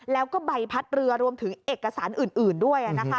แล้วก็ใบพัดเรือรวมถึงเอกสารอื่นด้วย